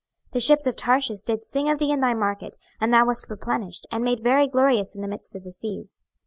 26:027:025 The ships of Tarshish did sing of thee in thy market: and thou wast replenished, and made very glorious in the midst of the seas.